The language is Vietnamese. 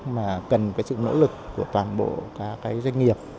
mà cần sự nỗ lực của toàn bộ các doanh nghiệp